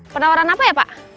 penawaran apa ya pak